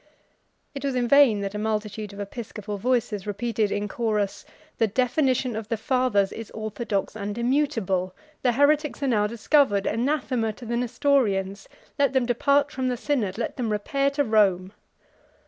It was in vain that a multitude of episcopal voices repeated in chorus, "The definition of the fathers is orthodox and immutable! The heretics are now discovered! Anathema to the Nestorians! Let them depart from the synod! Let them repair to Rome."